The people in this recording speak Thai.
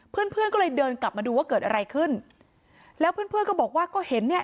เพื่อนเพื่อนก็เลยเดินกลับมาดูว่าเกิดอะไรขึ้นแล้วเพื่อนเพื่อนก็บอกว่าก็เห็นเนี่ย